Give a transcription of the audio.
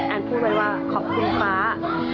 แอนพูดเลยว่าขอบคุณป๊า